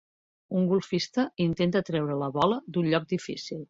Un golfista intenta treure la bola d'un lloc difícil.